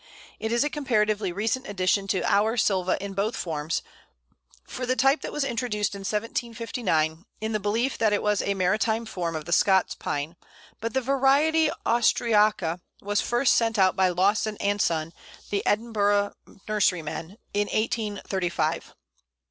It is a comparatively recent addition to our sylva in both forms, for the type was introduced in 1759, in the belief that it was a maritime form of the Scots Pine, but the variety austriaca was first sent out by Lawson and Son, the Edinburgh nurserymen, in 1835. [Illustration: Austrian Pine.